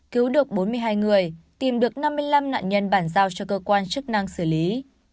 cứu được bốn mươi hai người tìm được năm mươi năm nạn nhân bản giao cho cơ quan chức năng xử lý